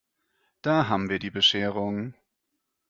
Da haben wir die Bescherung!